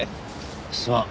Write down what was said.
すまん。